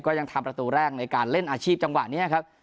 ยังทำประตูแรกในการเล่นอาชีพจังหวะนี้ครับ